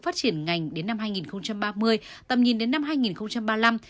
phát triển ngành đến năm hai nghìn ba mươi tầm nhìn đến năm hai nghìn ba mươi năm